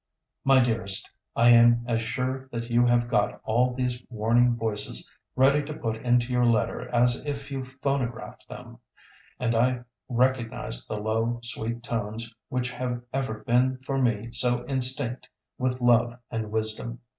"My dearest, I am as sure that you have got all these warning voices ready to put into your letter as if you phonographed them, and I recognised the low, sweet tones which have ever been for me so instinct with love and wisdom.